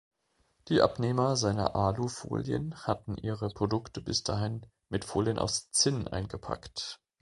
Die Abnehmer seiner Alu-Folien hatten ihre Produkte bis dahin mit Folien aus Zinn eingepackt.